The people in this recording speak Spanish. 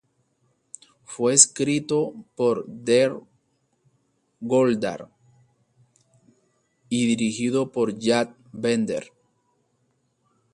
Fue escrito por Drew Goddard y dirigido por Jack Bender.